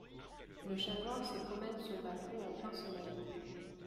Le chat noir se promène sur le balcon en plein soleil